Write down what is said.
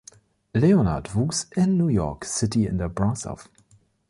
Leonard wuchs in New York City in der Bronx auf.